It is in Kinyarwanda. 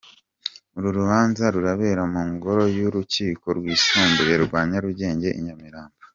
Uru rubanza rurabera mu ngoro y’urukiko rwisumbuye rwa Nyarugenge i Nyamirambo.